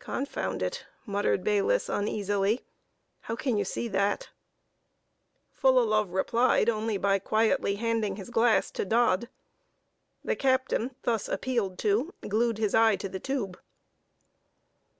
"Confound it!" muttered Bayliss, uneasily; "how can you see that?" Fullalove replied only by quietly handing his glass to Dodd. The captain, thus appealed to, glued his eye to the tube.